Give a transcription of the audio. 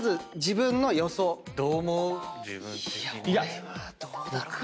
俺はどうだろうな。